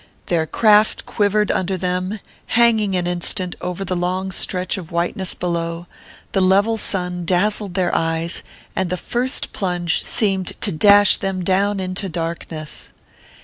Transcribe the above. Their craft quivered under them, hanging an instant over the long stretch of whiteness below; the level sun dazzled their eyes, and the first plunge seemed to dash them down into darkness.